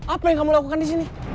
apa yang kamu lakukan disini